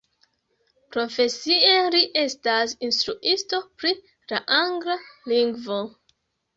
Profesie li estas instruisto pri la angla lingvo.